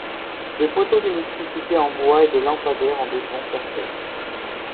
Des poteaux d’électricité en bois et des lampadaires en béton cassèrent.